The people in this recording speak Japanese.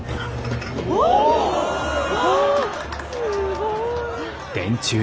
すごい。